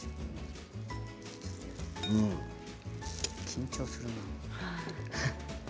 緊張するな。